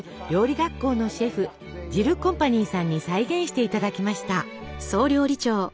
学校のシェフジルコンパニーさんに再現していただきました。